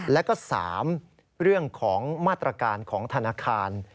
แล้วก็๓เรื่องของมาตรการของธนาคาร